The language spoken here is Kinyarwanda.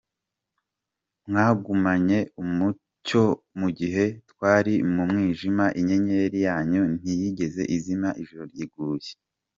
Mwagumanye umucyo mu gihe twari mu mwijima, inyenyeri yanyu ntiyigeze izima ijoro riguye.